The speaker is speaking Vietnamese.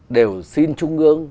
đều xin trung ương